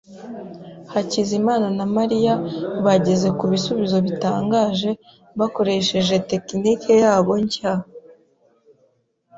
Hakizimana na Mariya bageze ku bisubizo bitangaje bakoresheje tekinike yabo nshya.